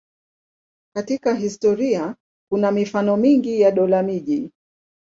Katika historia kuna mifano mingi ya dola-miji.